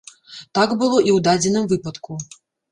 Так было і ў дадзеным выпадку.